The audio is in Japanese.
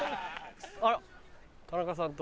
あら田中さんと。